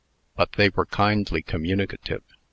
But they were kindly communicative.